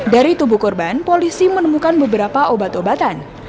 dari tubuh korban polisi menemukan beberapa obat obatan